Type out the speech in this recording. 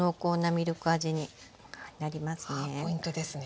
ポイントですね。